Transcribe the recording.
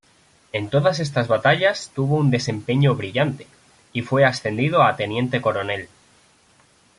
En todas estas batallas tuvo un desempeño brillante, y fue ascendido a teniente coronel.